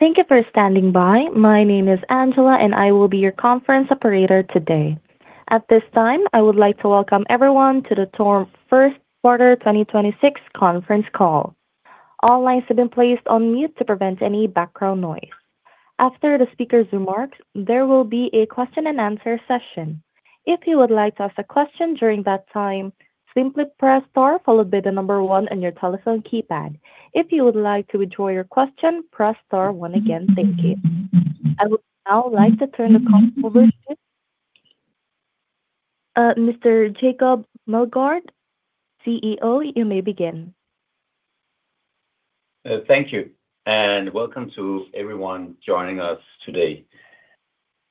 Thank you for standing by. My name is Angela and I will be your conference operator today. At this time, I would like to welcome everyone to the TORM First Quarter 2026 Conference Call. All lines have been placed on mute to prevent any background noise. After the speakers remarks, there will be a question and answer session. If you would like to ask a question during that time, simply press star followed by the number one on your telephone keypad. If you would like to withdraw your question, press star one again. Thank you. I would now like to turn the call over to Mr. Jacob Meldgaard, CEO. You may begin. Thank you and welcome to everyone joining us today.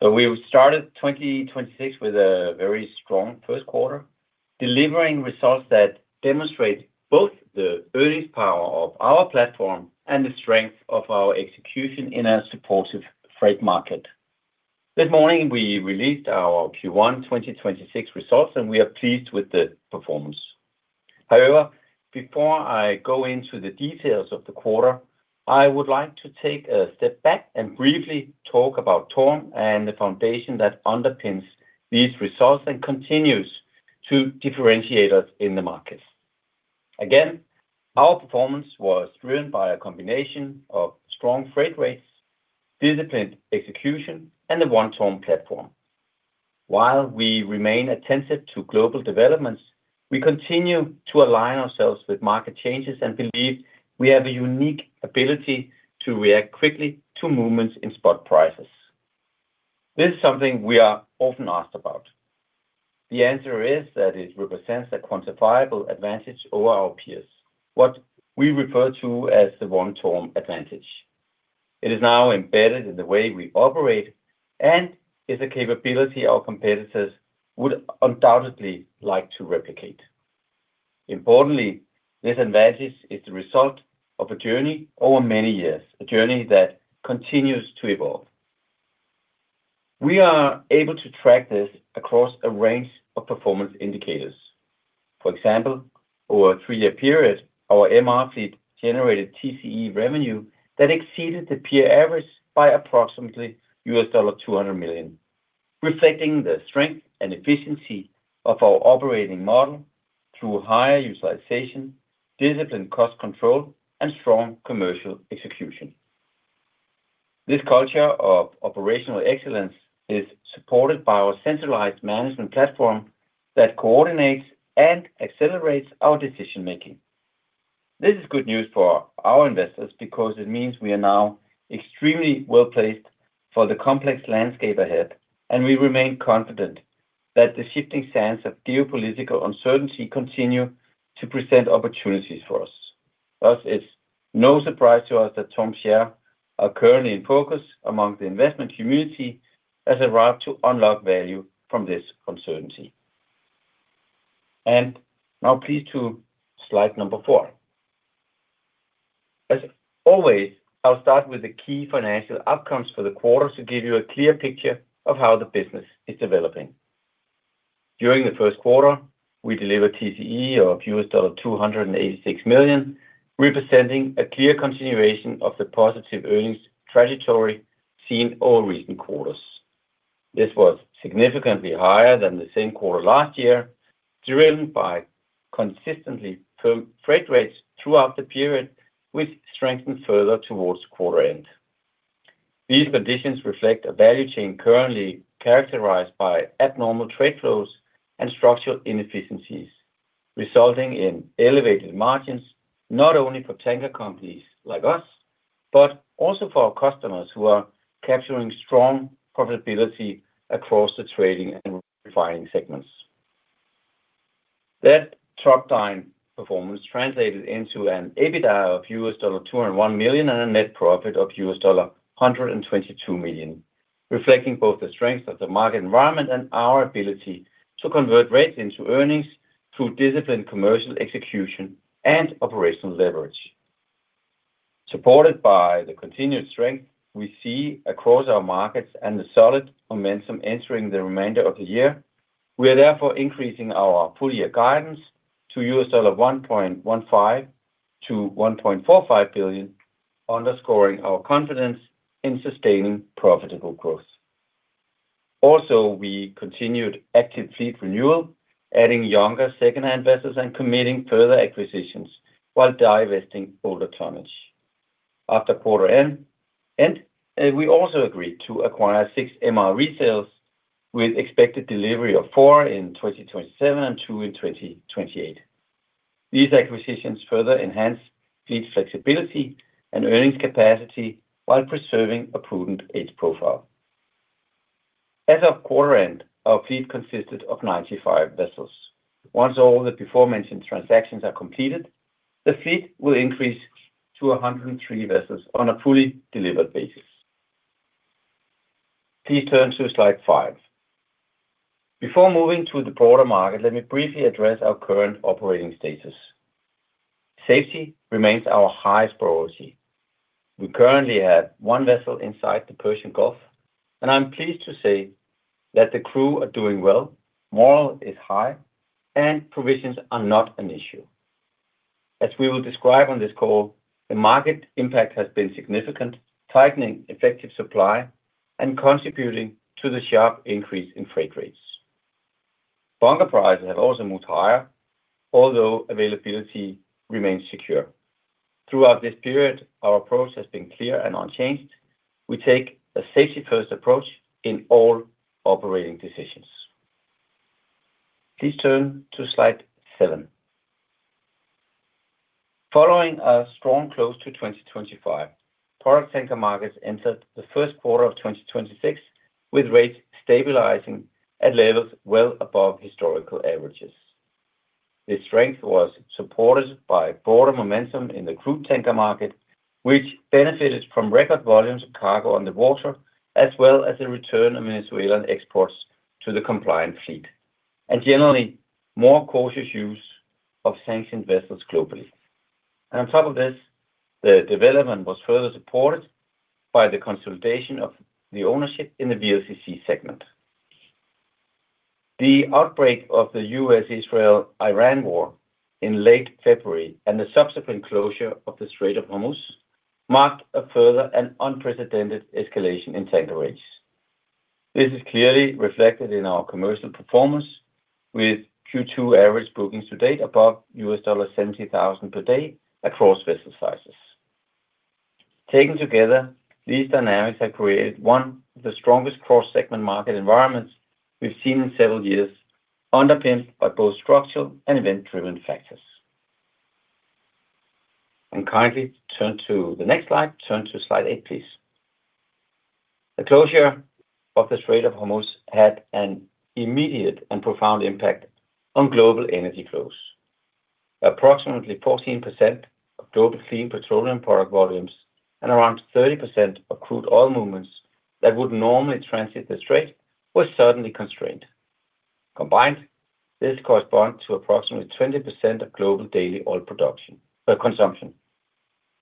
We started 2026 with a very strong first quarter, delivering results that demonstrate both the earnings power of our platform and the strength of our execution in a supportive freight market. This morning, we released our Q1 2026 results and we are pleased with the performance. However, before I go into the details of the quarter, I would like to take a step back and briefly talk about TORM and the foundation that underpins these results and continues to differentiate us in the market. Again, our performance was driven by a combination of strong freight rates, disciplined execution and the One TORM platform. While we remain attentive to global developments, we continue to align ourselves with market changes and believe we have a unique ability to react quickly to movements in spot prices. This is something we are often asked about. The answer is that it represents a quantifiable advantage over our peers. What we refer to as the One TORM advantage. It is now embedded in the way we operate and is a capability our competitors would undoubtedly like to replicate. Importantly, this advantage is the result of a journey over many years, a journey that continues to evolve. We are able to track this across a range of performance indicators. For example, over a three-year period, our MR fleet generated TCE revenue that exceeded the peer average by approximately $200 million, reflecting the strength and efficiency of our operating model through higher utilization, disciplined cost control and strong commercial execution. This culture of operational excellence is supported by our centralized management platform that coordinates and accelerates our decision-making. This is good news for our investors because it means we are now extremely well-placed for the complex landscape ahead, and we remain confident that the shifting sands of geopolitical uncertainty continue to present opportunities for us. Thus, it's no surprise to us that TORM share are currently in focus among the investment community as a route to unlock value from this uncertainty. Now, please to slide number four. As always, I'll start with the key financial outcomes for the quarter to give you a clear picture of how the business is developing. During the first quarter, we delivered TCE of $286 million, representing a clear continuation of the positive earnings trajectory seen over recent quarters. This was significantly higher than the same quarter last year, driven by consistently firm freight rates throughout the period, which strengthened further towards quarter end. These conditions reflect a value chain currently characterized by abnormal trade flows and structural inefficiencies, resulting in elevated margins, not only for tanker companies like us, but also for our customers who are capturing strong profitability across the trading and refining segments. That top line performance translated into an EBITDA of $201 million and a net profit of $122 million, reflecting both the strength of the market environment and our ability to convert rates into earnings through disciplined commercial execution and operational leverage. Supported by the continued strength we see across our markets and the solid momentum entering the remainder of the year, we are therefore increasing our full year guidance to $1.15 billion-$1.45 billion, underscoring our confidence in sustaining profitable growth. We continued active fleet renewal, adding younger secondhand vessels and committing further acquisitions while divesting older tonnage. After quarter end, we also agreed to acquire six MR resales with expected delivery of four in 2027 and two in 2028. These acquisitions further enhance fleet flexibility and earnings capacity while preserving a prudent age profile. As of quarter end, our fleet consisted of 95 vessels. Once all the beforementioned transactions are completed, the fleet will increase to 103 vessels on a fully delivered basis. Please turn to slide five. Before moving to the broader market, let me briefly address our current operating status. Safety remains our highest priority. We currently have one vessel inside the Persian Gulf, and I'm pleased to say that the crew are doing well, morale is high, and provisions are not an issue. As we will describe on this call, the market impact has been significant, tightening effective supply and contributing to the sharp increase in freight rates. Bunker prices have also moved higher, although availability remains secure. Throughout this period, our approach has been clear and unchanged. We take a safety-first approach in all operating decisions. Please turn to slide seven. Following a strong close to 2025, product tanker markets entered the first quarter of 2026 with rates stabilizing at levels well above historical averages. This strength was supported by broader momentum in the crude tanker market, which benefited from record volumes of cargo on the water, as well as the return of Venezuelan exports to the compliant fleet, and generally, more cautious use of sanctioned vessels globally. On top of this, the development was further supported by the consolidation of the ownership in the VLCC segment. The outbreak of the U.S.-Israel-Iran war in late February and the subsequent closure of the Strait of Hormuz marked a further and unprecedented escalation in tanker rates. This is clearly reflected in our commercial performance with Q2 average bookings to date above $70,000 per day across vessel sizes. Taken together, these dynamics have created one of the strongest cross-segment market environments we've seen in several years, underpinned by both structural and event-driven factors. Kindly turn to the next slide. Turn to slide eight, please. The closure of the Strait of Hormuz had an immediate and profound impact on global energy flows. Approximately 14% of global clean petroleum product volumes and around 30% of crude oil movements that would normally transit the strait were suddenly constrained. Combined, this corresponds to approximately 20% of global daily oil production, consumption.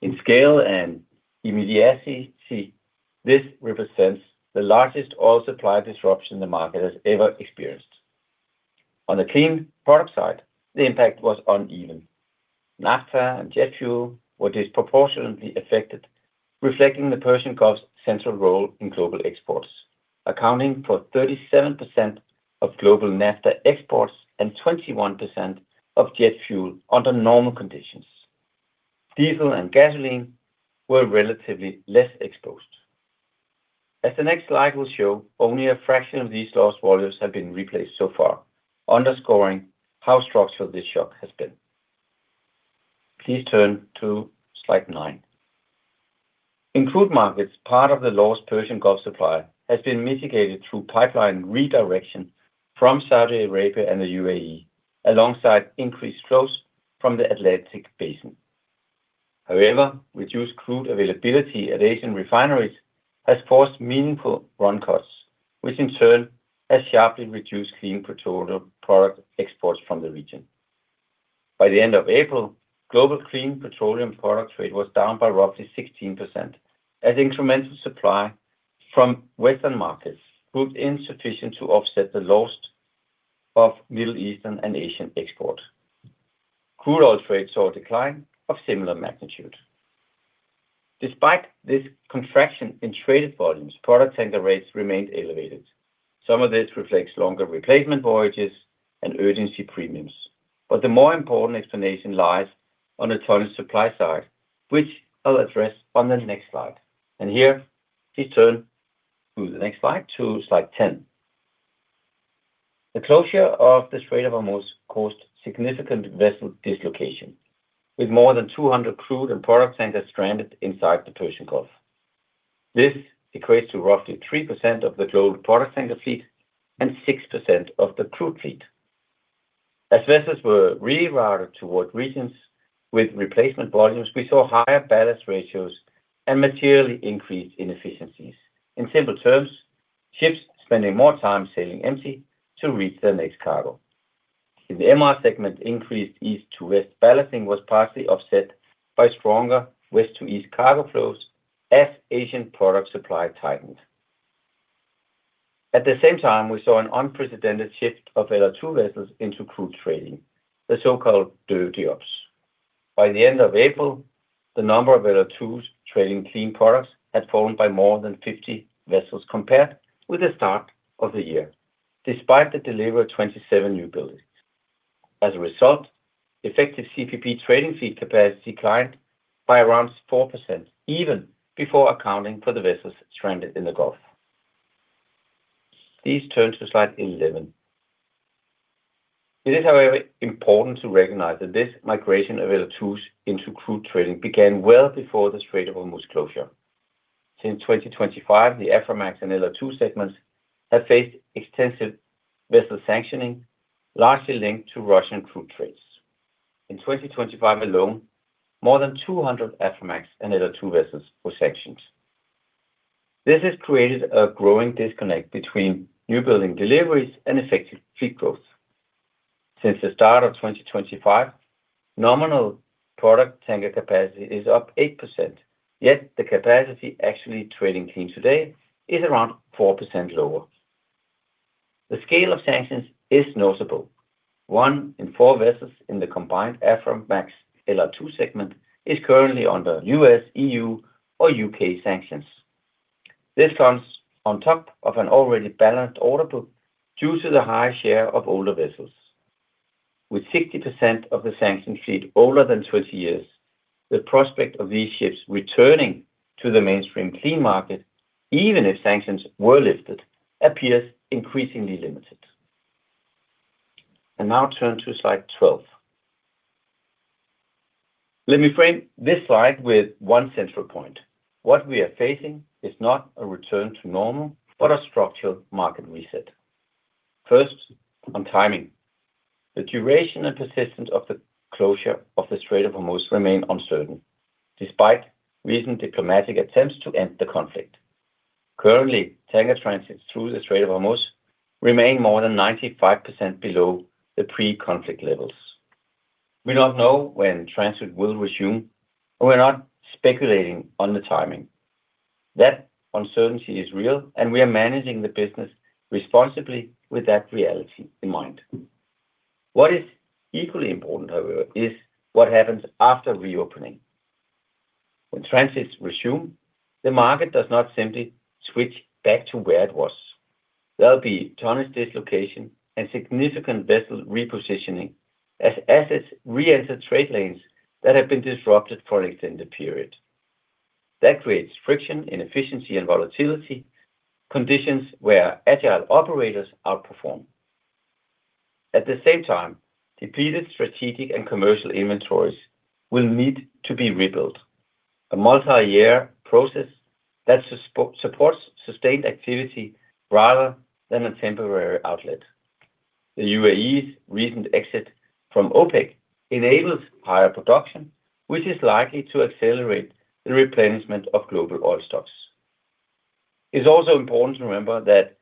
In scale and immediacy, this represents the largest oil supply disruption the market has ever experienced. On the clean product side, the impact was uneven. Naphtha and jet fuel were disproportionately affected, reflecting the Persian Gulf's central role in global exports, accounting for 37% of global naphtha exports and 21% of jet fuel under normal conditions. Diesel and gasoline were relatively less exposed. As the next slide will show, only a fraction of these lost volumes have been replaced so far, underscoring how structural this shock has been. Please turn to slide nine. In crude markets, part of the lost Persian Gulf supply has been mitigated through pipeline redirection from Saudi Arabia and the U.A.E., alongside increased flows from the Atlantic Basin. Reduced crude availability at Asian refineries has forced meaningful run cuts, which in turn has sharply reduced clean petroleum product exports from the region. By the end of April, global clean petroleum product trade was down by roughly 16% as incremental supply from Western markets proved insufficient to offset the loss of Middle Eastern and Asian exports. Crude oil trades saw a decline of similar magnitude. Despite this contraction in traded volumes, product tanker rates remained elevated. Some of this reflects longer replacement voyages and urgency premiums. The more important explanation lies on the ton supply side, which I'll address on the next slide. Here, please turn to the next slide, to slide 10. The closure of the Strait of Hormuz caused significant vessel dislocation, with more than 200 crude and product tankers stranded inside the Persian Gulf. This equates to roughly 3% of the global product tanker fleet and 6% of the crude fleet. As vessels were rerouted toward regions with replacement volumes, we saw higher ballast ratios and materially increased inefficiencies. In simple terms, ships spending more time sailing empty to reach their next cargo. In the MR segment, increased east to west ballasting was partially offset by stronger west to east cargo flows as Asian product supply tightened. At the same time, we saw an unprecedented shift of LR2 vessels into crude trading, the so-called dirty ops. By the end of April, the number of LR2s trading clean products had fallen by more than 50 vessels compared with the start of the year, despite the delivery of 27 newbuildings. As a result, effective CPP trading fleet capacity declined by around 4%, even before accounting for the vessels stranded in the Gulf. Please turn to slide 11. It is, however, important to recognize that this migration of LR2s into crude trading began well before the Strait of Hormuz closure. Since 2025, the Aframax and LR2 segments have faced extensive vessel sanctioning, largely linked to Russian crude trades. In 2025 alone, more than 200 Aframax and LR2 vessels were sanctioned. This has created a growing disconnect between newbuilding deliveries and effective fleet growth. Since the start of 2025, nominal product tanker capacity is up 8%. Yet the capacity actually trading clean today is around 4% lower. The scale of sanctions is noticeable. One in four vessels in the combined Aframax LR2 segment is currently under U.S., EU or U.K. sanctions. This comes on top of an already balanced order book due to the high share of older vessels. With 60% of the sanction fleet older than 20 years, the prospect of these ships returning to the mainstream clean market, even if sanctions were lifted, appears increasingly limited. Now turn to slide 12. Let me frame this slide with one central point. What we are facing is not a return to normal, but a structural market reset. First, on timing. The duration and persistence of the closure of the Strait of Hormuz remain uncertain, despite recent diplomatic attempts to end the conflict. Currently, tanker transit through the Strait of Hormuz remain more than 95% below the pre-conflict levels. We don't know when transit will resume. We're not speculating on the timing. That uncertainty is real, and we are managing the business responsibly with that reality in mind. What is equally important, however, is what happens after reopening. When transits resume, the market does not simply switch back to where it was. There'll be tonnage dislocation and significant vessel repositioning as assets reenter trade lanes that have been disrupted for an extended period. That creates friction, inefficiency and volatility, conditions where agile operators outperform. At the same time, depleted strategic and commercial inventories will need to be rebuilt, a multi-year process that supports sustained activity rather than a temporary outlet. The UAE's recent exit from OPEC enables higher production, which is likely to accelerate the replenishment of global oil stocks. It's also important to remember that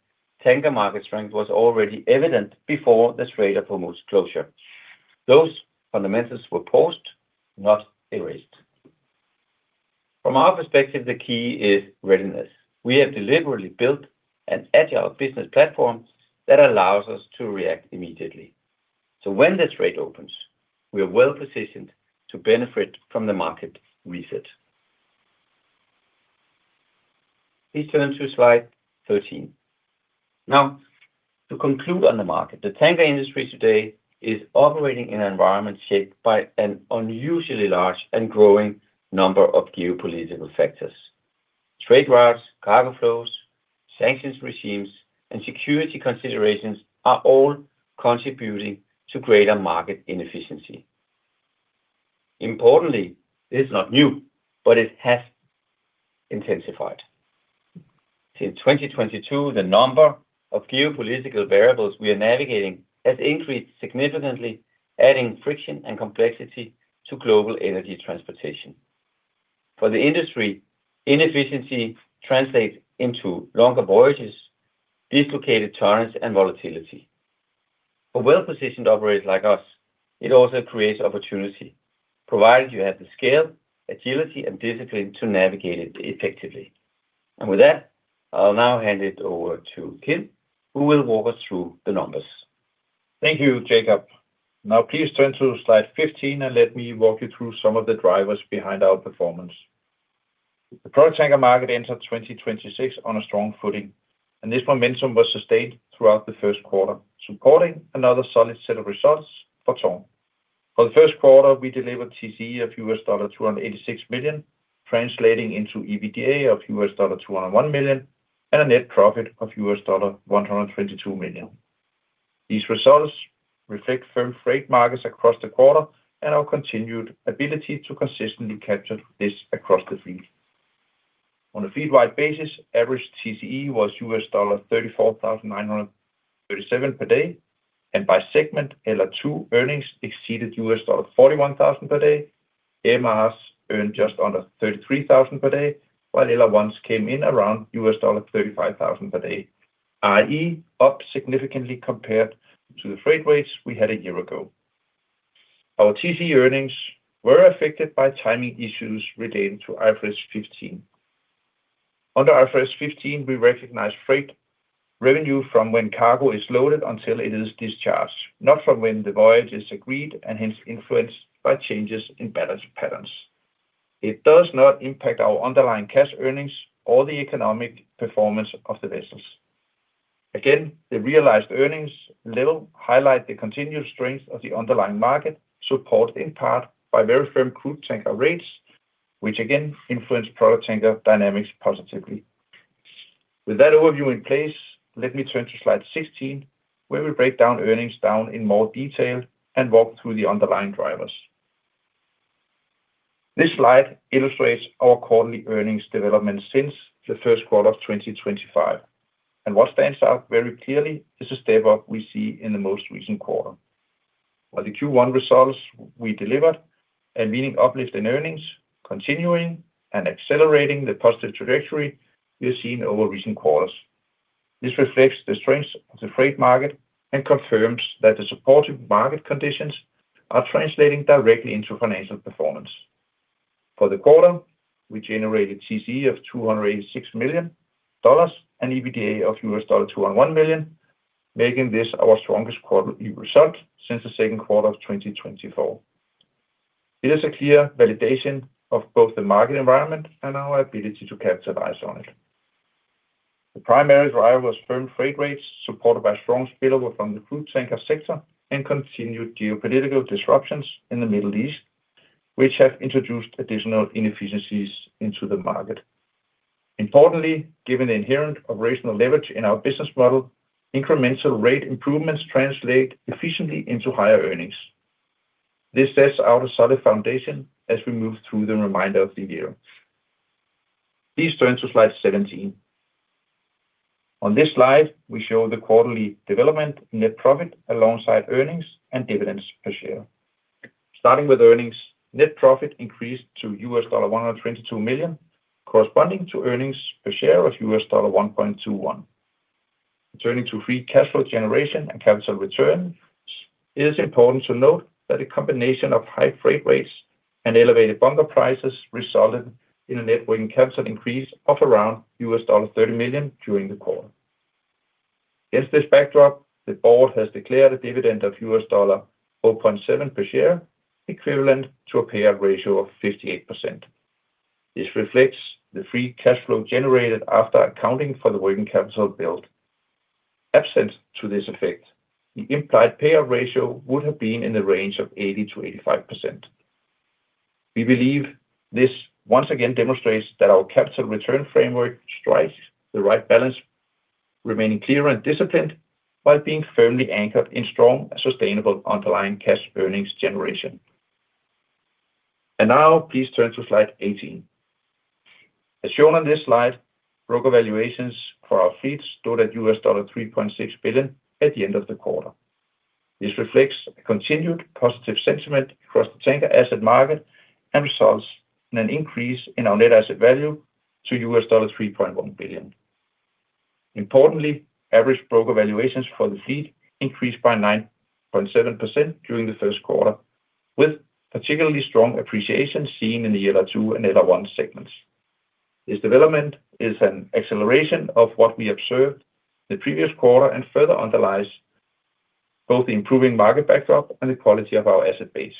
tanker market strength was already evident before the Strait of Hormuz closure. Those fundamentals were paused, not erased. From our perspective, the key is readiness. We have deliberately built an agile business platform that allows us to react immediately. When the strait opens, we are well-positioned to benefit from the market reset. Please turn to slide 13. To conclude on the market, the tanker industry today is operating in an environment shaped by an unusually large and growing number of geopolitical factors. Trade routes, cargo flows, sanctions regimes and security considerations are all contributing to greater market inefficiency. Importantly, this is not new, but it has intensified. Since 2022, the number of geopolitical variables we are navigating has increased significantly, adding friction and complexity to global energy transportation. For the industry, inefficiency translates into longer voyages, dislocated tonnage and volatility. For well-positioned operators like us, it also creates opportunity, provided you have the scale, agility and discipline to navigate it effectively. With that, I'll now hand it over to Kim, who will walk us through the numbers. Thank you, Jacob. Now please turn to slide 15 and let me walk you through some of the drivers behind our performance. The product tanker market entered 2026 on a strong footing, and this momentum was sustained throughout the first quarter, supporting another solid set of results for TORM. For the first quarter, we delivered TCE of $286 million, translating into EBITDA of $201 million, and a net profit of $122 million. These results reflect firm freight markets across the quarter and our continued ability to consistently capture this across the fleet. On a fleet-wide basis, average TCE was $34,937 per day. By segment, LR2 earnings exceeded $41,000 per day. MRs earned just under 33,000 per day, while LR1s came in around $35,000 per day, i.e., up significantly compared to the freight rates we had a year ago. Our TCE earnings were affected by timing issues relating to IFRS 15. Under IFRS 15, we recognize freight revenue from when cargo is loaded until it is discharged, not from when the voyage is agreed and hence influenced by changes in balance patterns. It does not impact our underlying cash earnings or the economic performance of the vessels. Again, the realized earnings level highlights the continued strength of the underlying market, supported in part by very firm crude tanker rates, which again influenced product tanker dynamics positively. With that overview in place, let me turn to slide 16, where we break down earnings in more detail and walk through the underlying drivers. This slide illustrates our quarterly earnings development since the first quarter of 2025. What stands out very clearly is the step-up we see in the most recent quarter. The Q1 results we delivered a meaning uplift in earnings, continuing and accelerating the positive trajectory we've seen over recent quarters. This reflects the strength of the freight market and confirms that the supportive market conditions are translating directly into financial performance. For the quarter, we generated TCE of $286 million and EBITDA of $201 million, making this our strongest quarterly result since the second quarter of 2024. It is a clear validation of both the market environment and our ability to capitalize on it. The primary driver was firm freight rates, supported by strong spillover from the crude tanker sector and continued geopolitical disruptions in the Middle East, which have introduced additional inefficiencies into the market. Importantly, given the inherent operational leverage in our business model, incremental rate improvements translate efficiently into higher earnings. This sets out a solid foundation as we move through the remainder of the year. Please turn to slide 17. On this slide, we show the quarterly development net profit alongside earnings and dividends per share. Starting with earnings, net profit increased to $122 million, corresponding to earnings per share of $1.21. Turning to free cash flow generation and capital returns, it is important to note that a combination of high freight rates and elevated bunker prices resulted in a net working capital increase of around $30 million during the quarter. Against this backdrop, the board has declared a dividend of $0.7 per share, equivalent to a payout ratio of 58%. This reflects the free cash flow generated after accounting for the working capital build. Absent to this effect, the implied payout ratio would have been in the range of 80%-85%. We believe this once again demonstrates that our capital return framework strikes the right balance, remaining clear and disciplined while being firmly anchored in strong and sustainable underlying cash earnings generation. Now please turn to slide 18. As shown on this slide, broker valuations for our fleet stood at $3.6 billion at the end of the quarter. This reflects a continued positive sentiment across the tanker asset market and results in an increase in our net asset value to $3.1 billion. Importantly, average broker valuations for the fleet increased by 9.7% during the first quarter, with particularly strong appreciation seen in the LR2 and LR1 segments. This development is an acceleration of what we observed the previous quarter and further underlies both the improving market backdrop and the quality of our asset base.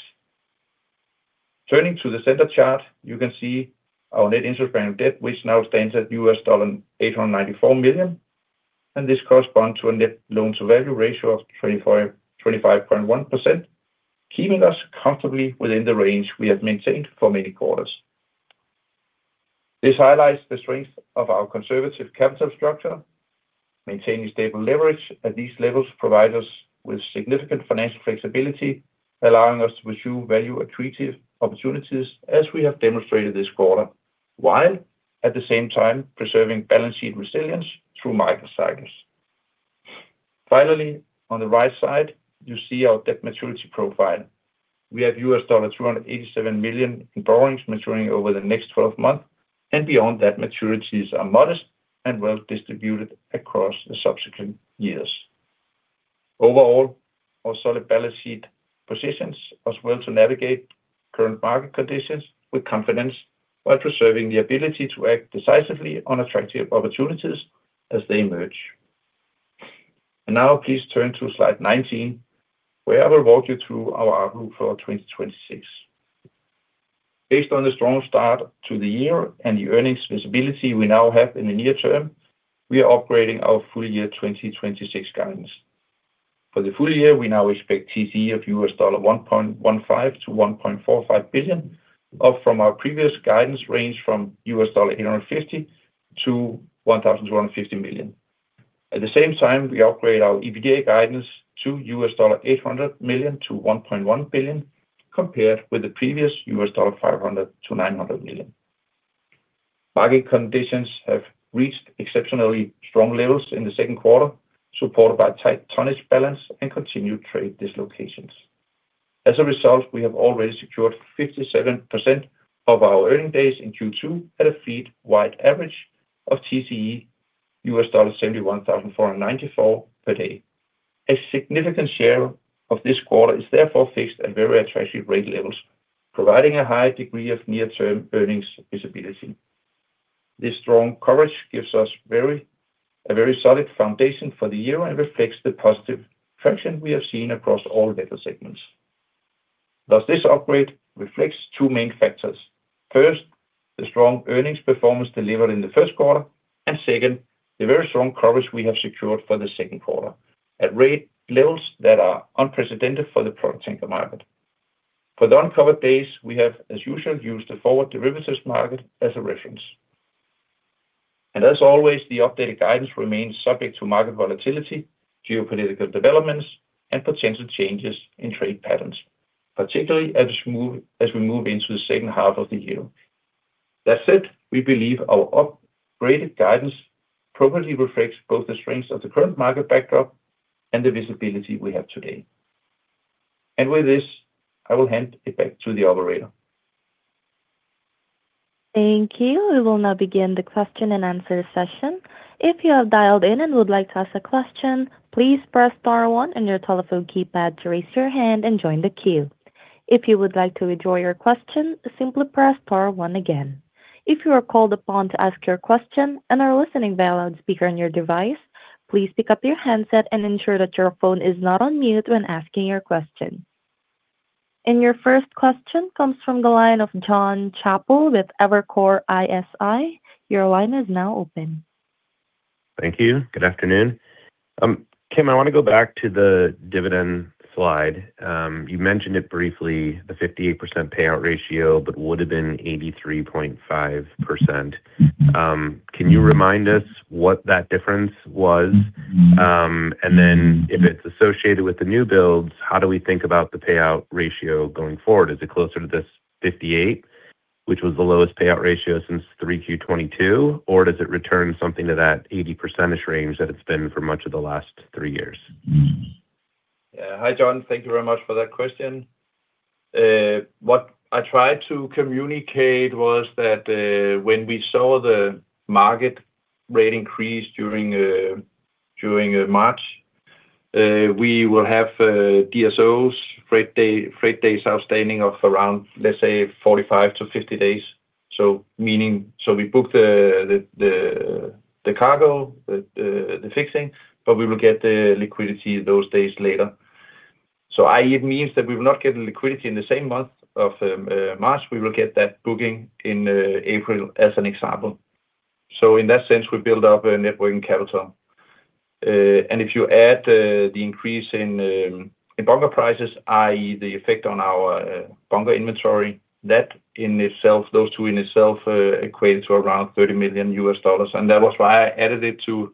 Turning to the center chart, you can see our net interest-bearing debt, which now stands at $894 million, and this corresponds to a net loan to value ratio of 25.1%, keeping us comfortably within the range we have maintained for many quarters. This highlights the strength of our conservative capital structure. Maintaining stable leverage at these levels provide us with significant financial flexibility, allowing us to pursue value accretive opportunities as we have demonstrated this quarter, while at the same time preserving balance sheet resilience through microcycles. Finally, on the right side, you see our debt maturity profile. We have $287 million in borrowings maturing over the next 12 months, and beyond that, maturities are modest and well-distributed across the subsequent years. Overall, our solid balance sheet positions us well to navigate current market conditions with confidence while preserving the ability to act decisively on attractive opportunities as they emerge. Now please turn to slide 19, where I will walk you through our outlook for 2026. Based on the strong start to the year and the earnings visibility we now have in the near term, we are upgrading our full year 2026 guidance. For the full year, we now expect TCE of $1.15 billion-$1.45 billion, up from our previous guidance range from $850 million-$1,150 million. At the same time, we upgrade our EBITDA guidance to $800 million-$1.1 billion, compared with the previous $500 million-$900 million. Booking conditions have reached exceptionally strong levels in the second quarter, supported by tight tonnage balance and continued trade dislocations. As a result, we have already secured 57% of our earning days in Q2 at a fleet-wide average of TCE $71,494 per day. A significant share of this quarter is therefore fixed at very attractive rate levels, providing a high degree of near-term earnings visibility. This strong coverage gives us a very solid foundation for the year and reflects the positive traction we have seen across all vessel segments. Thus, this upgrade reflects two main factors. First, the strong earnings performance delivered in the first quarter. Second, the very strong coverage we have secured for the second quarter at rate levels that are unprecedented for the product tanker market. For the uncovered days, we have, as usual, used the forward derivatives market as a reference. As always, the updated guidance remains subject to market volatility, geopolitical developments, and potential changes in trade patterns, particularly as we move into the second half of the year. That said, we believe our upgraded guidance properly reflects both the strengths of the current market backdrop and the visibility we have today. With this, I will hand it back to the operator. Thank you. We will now begin the question and answer session. If you have dialed in and would like to ask a question, please press star one on your telephone keypad to raise your hand and join the queue. If you would like to withdraw your question, simply press star one again. If you are called upon to ask your question and are listening via loudspeaker on your device, please pick up your handset and ensure that your phone is not on mute when asking your question. Your first question comes from the line of Jon Chappell with Evercore ISI. Your line is now open. Thank you. Good afternoon. Kim, I wanna go back to the dividend slide. You mentioned it briefly, the 58% payout ratio, but would have been 83.5%. Can you remind us what that difference was? If it's associated with the new builds, how do we think about the payout ratio going forward? Is it closer to this 58, which was the lowest payout ratio since 3Q 2022, or does it return something to that 80% range that it's been for much of the last three years? Yeah. Hi, Jon. Thank you very much for that question. What I tried to communicate was that when we saw the market rate increase during March, we will have DSOs, freight days outstanding of around, let's say, 45 to 50 days. Meaning we book the cargo, the fixing, but we will get the liquidity those days later. I.e., it means that we will not get the liquidity in the same month of March. We will get that booking in April as an example. In that sense, we build up a net working capital. If you add the increase in bunker prices, i.e., the effect on our bunker inventory, that in itself, those two in itself, equate to around $30 million, and that was why I added it to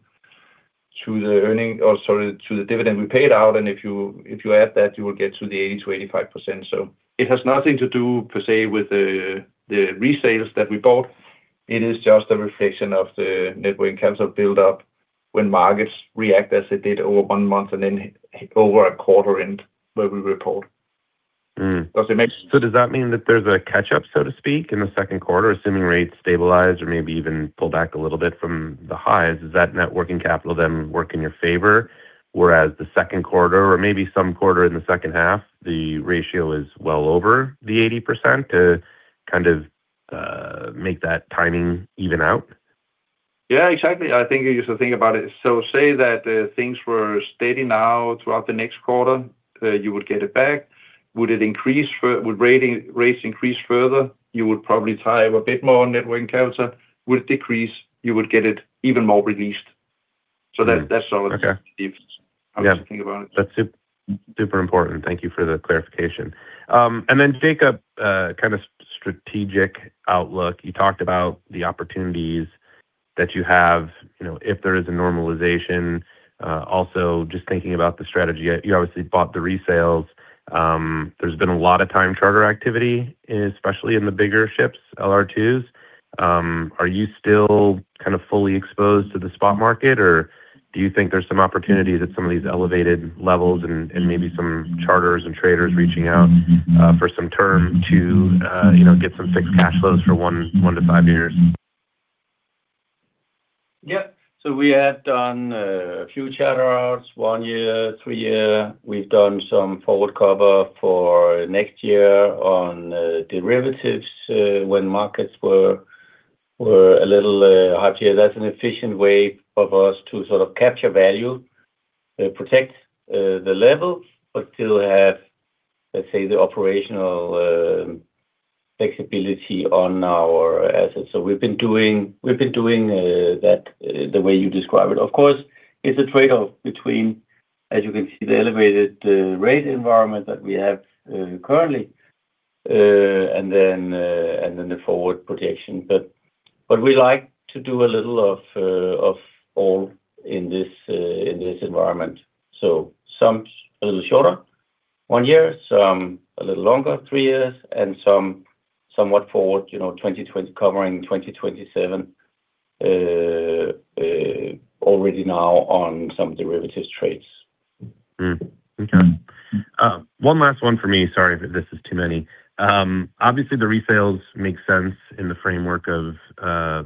the earning, or sorry, to the dividend we paid out. If you add that, you will get to the 80%-85%. It has nothing to do per se, with the resales that we bought. It is just a reflection of the net working capital build-up when markets react as it did over one month and then over a quarter end when we report. Does it Does that mean that there's a catch-up, so to speak, in the second quarter, assuming rates stabilize or maybe even pull back a little bit from the highs? Does that net working capital then work in your favor? Whereas the second quarter or maybe some quarter in the second half, the ratio is well over the 80% to kind of make that timing even out. Exactly. I think you should think about it. Say that things were steady now throughout the next quarter, you would get it back. Would rates increase further? You would probably tie up a bit more on net working capital. Would it decrease? You would get it even more released. Okay. That's all it is. Yeah. How to think about it. That's super important. Thank you for the clarification. Then Jacob, kind of strategic outlook. You talked about the opportunities that you have, you know, if there is a normalization. Also just thinking about the strategy. You obviously bought the resales. There's been a lot of time charter activity, especially in the bigger ships, LR2s. Are you still kind of fully exposed to the spot market, or do you think there's some opportunity that some of these elevated levels and maybe some charters and traders reaching out for some term to, you know, get some fixed cash flows for one to five years? Yeah. We had done a few charter outs, one year, three year. We've done some forward cover for next year on derivatives when markets were a little hot. Yeah, that's an efficient way of us to sort of capture value, protect the level, but still have, let's say, the operational flexibility on our assets. We've been doing that the way you describe it. Of course, it's a trade-off between, as you can see, the elevated rate environment that we have currently, and then and then the forward protection. But we like to do a little of all in this environment. Some a little shorter, one year, some a little longer, three years, and some somewhat forward, you know covering 2027, already now on some derivatives trades. Mm. Okay. One last one for me. Sorry if this is too many. Obviously the resales make sense in the framework of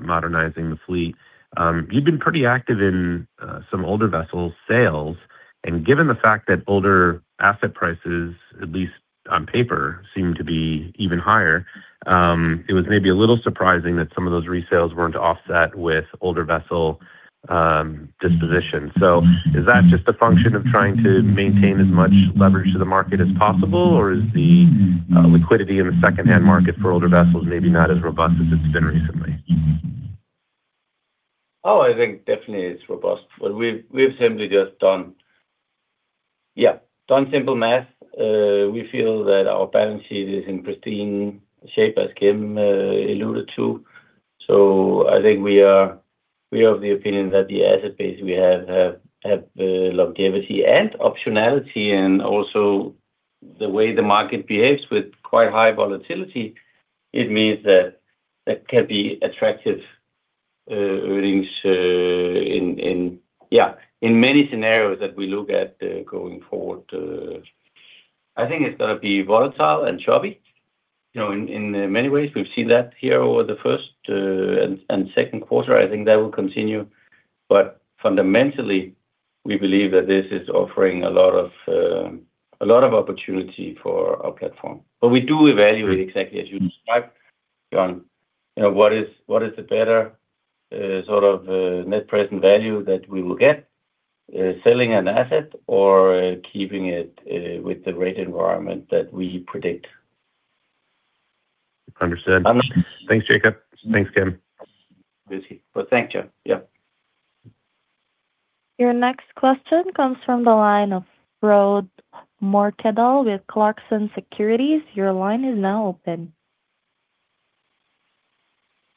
modernizing the fleet. You've been pretty active in some older vessel sales, and given the fact that older asset prices, at least on paper, seem to be even higher, it was maybe a little surprising that some of those resales weren't offset with older vessel disposition. Is that just a function of trying to maintain as much leverage to the market as possible, or is the liquidity in the secondhand market for older vessels maybe not as robust as it's been recently? I think definitely it's robust. We've simply just done, yeah, done simple math. We feel that our balance sheet is in pristine shape as Kim alluded to. I think we have the opinion that the asset base we have longevity and optionality, and also the way the market behaves with quite high volatility, it means that that can be attractive earnings in, yeah, in many scenarios that we look at going forward. I think it's gonna be volatile and choppy, you know, in many ways. We've seen that here over the first and second quarter. I think that will continue. Fundamentally, we believe that this is offering a lot of opportunity for our platform. We do evaluate exactly as you described, Jon. You know, what is the better sort of net present value that we will get selling an asset or keeping it with the rate environment that we predict. Understood. Thanks, Jacob. Thanks, Kim. Busy. Thank you. Yeah. Your next question comes from the line of Frode Mørkedal with Clarksons Securities. Your line is now open.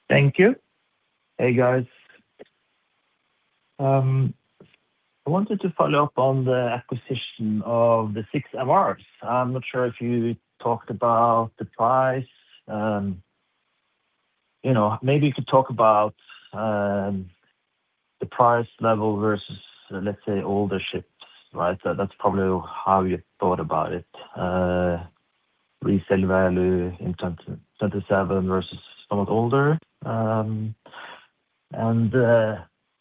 Thank you. Hey, guys. I wanted to follow up on the acquisition of the six MRs. I'm not sure if you talked about the price. You know, maybe you could talk about the price level versus, let's say, older ships, right? That's probably how you thought about it. Resale value in 2027 versus somewhat older.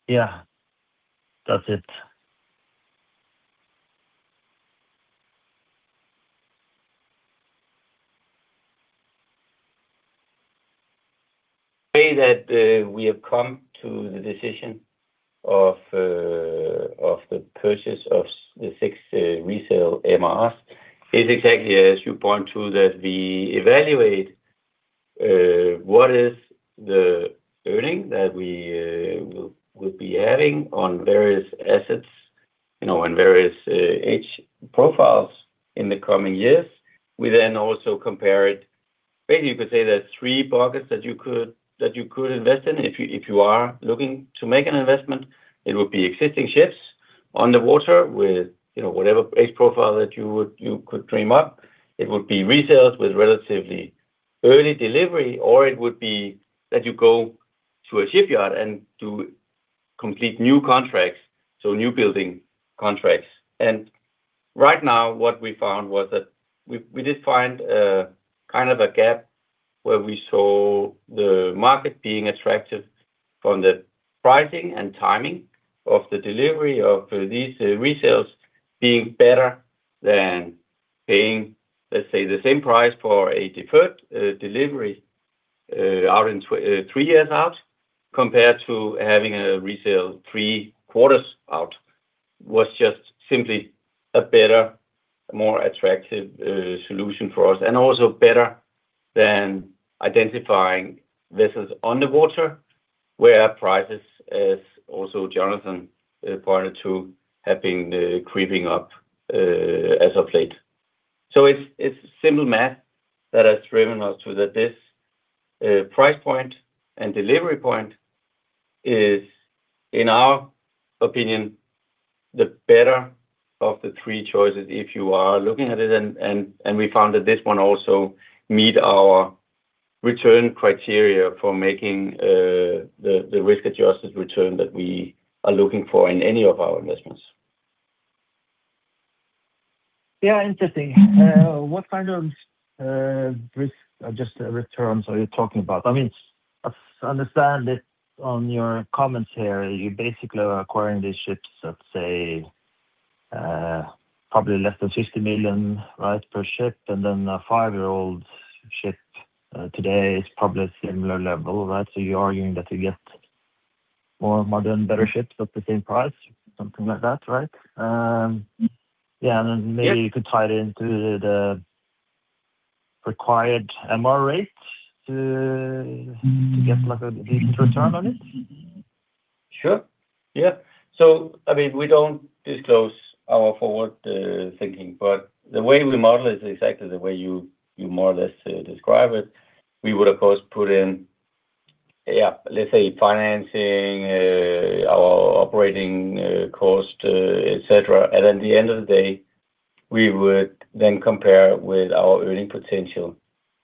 Yeah, that's it. Say that we have come to the decision of the purchase of the six resale MRs is exactly as you point to, that we evaluate what is the earning that we will be having on various assets, you know, on various age profiles in the coming years. We also compare it. Basically, you could say there's three buckets that you could invest in. If you are looking to make an investment, it would be existing ships on the water with, you know, whatever age profile that you could dream up. It would be resales with relatively early delivery, or it would be that you go to a shipyard and do complete new contracts, so new building contracts. Right now, what we found was that we did find kind of a gap where we saw the market being attractive from the pricing and timing of the delivery of these resales being better than paying, let's say, the same price for a deferred delivery out three years out, compared to having a resale three quarters out, was just simply a better, more attractive solution for us. Also better than identifying vessels on the water where prices, as also Jonathan pointed to, have been creeping up as of late. It's simple math that has driven us to that this price point and delivery point is, in our opinion, the better of the three choices if you are looking at it. We found that this one also meet our return criteria for making the risk-adjusted return that we are looking for in any of our investments. Yeah, interesting. What kind of risk or just returns are you talking about? I mean, I understand it on your comments here. You basically are acquiring these ships at, say, probably less than $50 million, right, per ship, and then a five-year-old ship today is probably a similar level, right? You're arguing that you get more modern, better ships at the same price, something like that, right? Yeah. Yeah. Maybe you could tie it into the required MR rates to get like a decent return on it. Sure, yeah. I mean, we don't disclose our forward thinking. The way we model is exactly the way you more or less describe it. We would, of course, put in, let's say financing, our operating cost, et cetera. At the end of the day, we would then compare with our earning potential.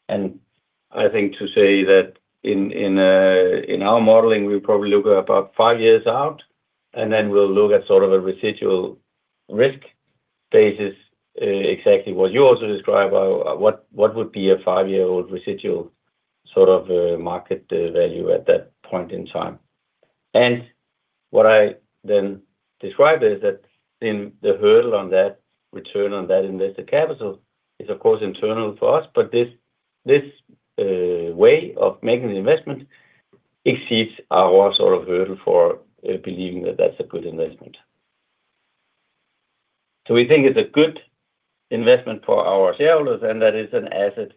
I think to say that in our modeling, we probably look about five years out, and then we'll look at sort of a residual risk basis, exactly what you also describe, what would be a five-year-old residual sort of market value at that point in time. What I then describe is that in the hurdle on that return on that invested capital is of course internal for us. This way of making the investment exceeds our sort of hurdle for believing that that's a good investment. We think it's a good investment for our shareholders, and that is an asset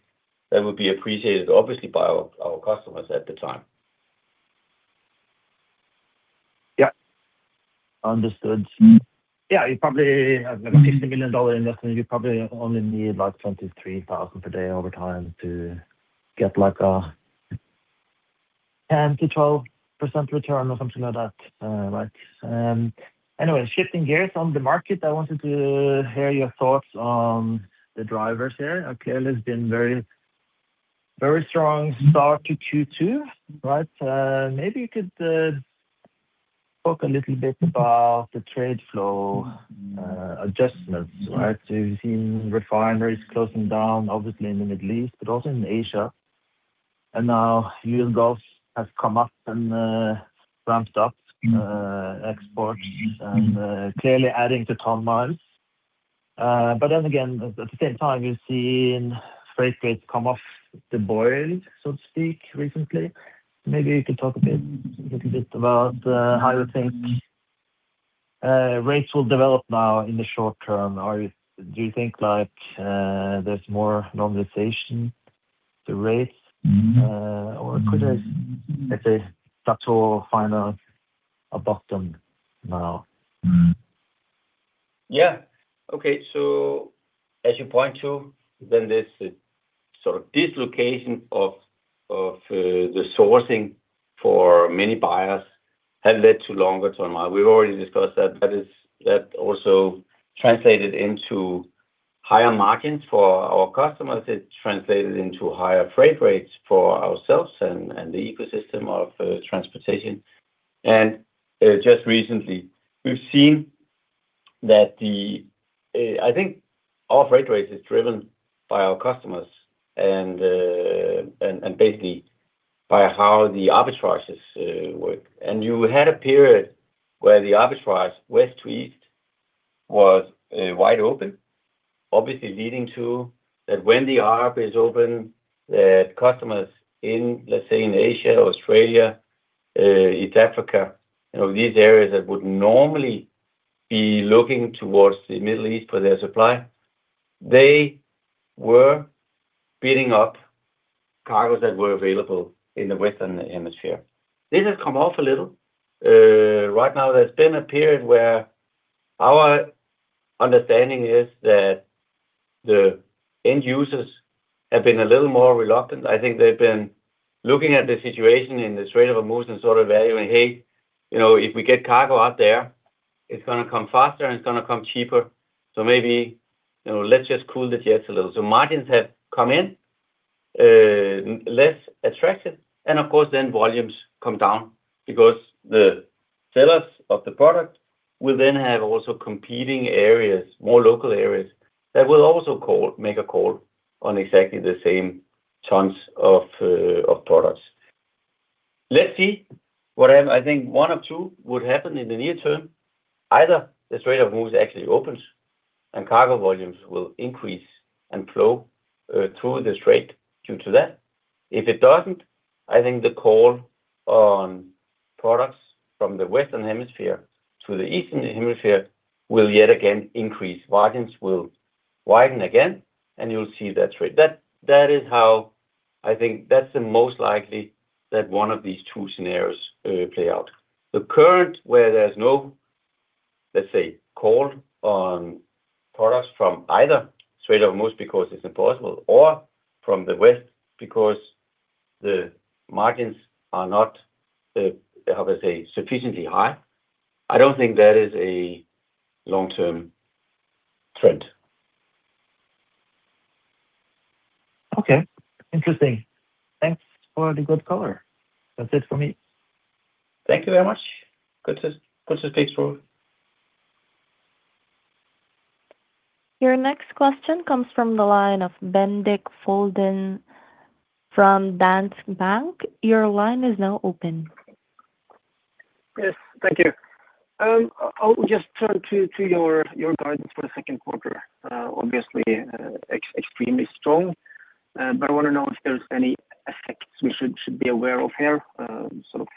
that would be appreciated obviously by our customers at the time. Yeah. Understood. Yeah, you probably have like a $50 million investment. You probably only need like 23,000 per day over time to get like a 10%-12% return or something like that, right? Anyway, shifting gears on the market, I wanted to hear your thoughts on the drivers here. Clearly has been very, very strong start to Q2, right? Maybe you could Talk a little bit about the trade flow adjustments, right? We've seen refineries closing down obviously in the Middle East, but also in Asia. Now U.S. Gulf has come up and ramped up exports and clearly adding to ton-miles. Then again, at the same time, you're seeing freight rates come off the boil, so to speak, recently. Maybe you could talk a bit, a little bit about how you think rates will develop now in the short term? Do you think, like, there's more normalization to rates? Or could, let's say, start to find a bottom now? Yeah. Okay. As you point to, this sort of dislocation of the sourcing for many buyers had led to longer ton-mile. We've already discussed that. That also translated into higher margins for our customers. It translated into higher freight rates for ourselves and the ecosystem of transportation. Just recently, we've seen that the I think our freight rate is driven by our customers and basically by how the arbitrages work. You had a period where the arbitrage west to east was wide open, obviously leading to that when the arb is open, that customers in, let's say, in Asia or Australia, East Africa, you know, these areas that would normally be looking towards the Middle East for their supply, they were beating up cargoes that were available in the Western Hemisphere. This has come off a little. Right now there's been a period where our understanding is that the end users have been a little more reluctant. I think they've been looking at the situation in the Strait of Hormuz and sort of valuing, "Hey, you know, if we get cargo out there, it's gonna come faster and it's gonna come cheaper. Maybe, you know, let's just cool the jets a little." Margins have come in, less attractive, and of course, then volumes come down because the sellers of the product will then have also competing areas, more local areas that will also call, make a call on exactly the same tons of products. I think one of two would happen in the near term. Either the Strait of Hormuz actually opens and cargo volumes will increase and flow through the strait due to that. If it doesn't, I think the call on products from the Western Hemisphere to the Eastern Hemisphere will yet again increase. Margins will widen again, and you'll see that strait. That is how, I think, that's the most likely that one of these two scenarios play out. The current, where there's no, let's say, call on products from either Strait of Hormuz because it's impossible or from the west because the margins are not, how do I say, sufficiently high, I don't think that is a long-term trend. Okay. Interesting. Thanks for the good color. That's it for me. Thank you very much. Good to speak to you. Your next question comes from the line of Bendik Folden from Danske Bank. Your line is now open. Yes. Thank you. I'll just turn to your guidance for the second quarter. Obviously, extremely strong. I wanna know if there's any effects we should be aware of here, sort of,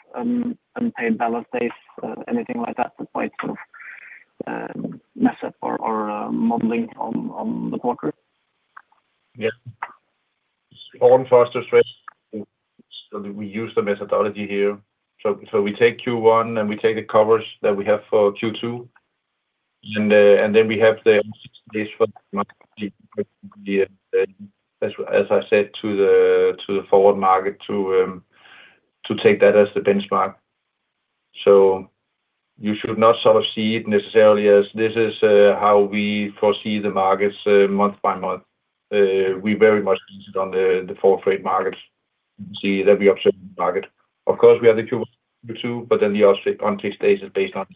unpaid balance dates, anything like that might sort of, mess up our modeling on the quarter. Yeah. On foster strength, we use the methodology here. We take Q1, and we take the coverage that we have for Q2, and then we have the as I said, to the forward market to take that as the benchmark. You should not sort of see it necessarily as this is how we foresee the markets month by month. We very much seized on the forward freight markets. See that we observe the market. Of course, we have the Q2, the offset on three stages based on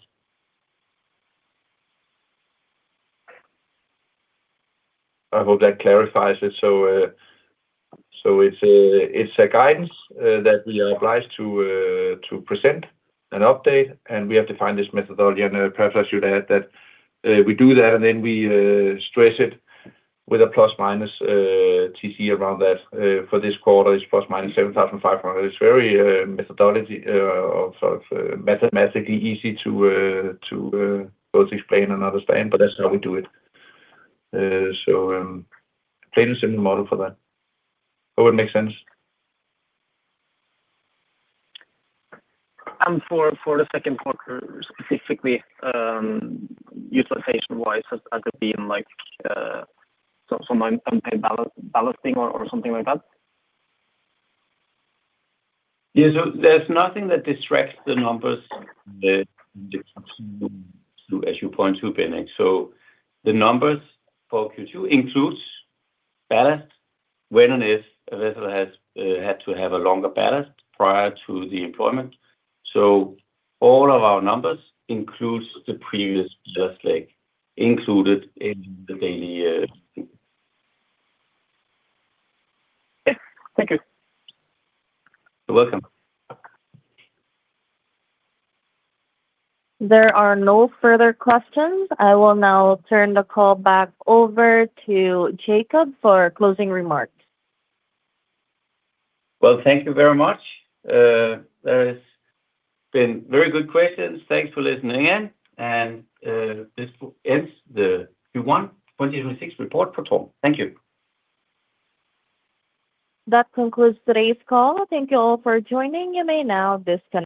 it. I hope that clarifies it. It's a guidance that we are obliged to present an update, and we have defined this methodology. Perhaps I should add that we do that, and then we stress it with a ± TCE around that. For this quarter, it's ± $7,500. It's very methodology or sort of mathematically easy to both explain and understand, but that's how we do it. Please use similar model for that. Hope it makes sense. For the second quarter specifically, utilization-wise, has it been like, some unpaid balancing or something like that? Yeah. There's nothing that distracts the numbers that as you point to, Bendik. The numbers for Q2 includes ballast when and if a vessel has had to have a longer ballast prior to the employment. All of our numbers includes the previous just like included in the daily. Yeah. Thank you. You're welcome. There are no further questions. I will now turn the call back over to Jacob for closing remarks. Well, thank you very much. There has been very good questions. Thanks for listening in. This ends the Q1 2026 report for TORM. Thank you. That concludes today's call. Thank you all for joining. You may now disconnect.